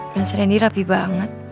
mas rendy rapi banget